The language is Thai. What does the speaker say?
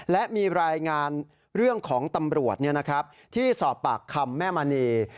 และมีรายงานเรื่องของตำรวจที่สอบปากคำแม่มณี